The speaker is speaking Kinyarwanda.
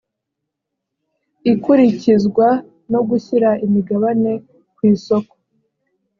ikurikizwa no gushyira imigabane ku isoko